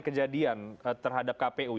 kejadian terhadap kpu